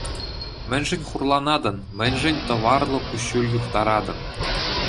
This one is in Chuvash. Мӗншӗн хурланатӑн, мӗншӗн тӑварлӑ куҫҫуль юхтаратӑн?